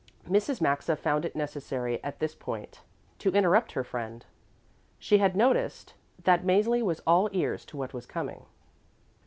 Mrs. Maxa found it necessary at this point to interrupt her friend. She had noticed that Mäzli was all ears to what was coming.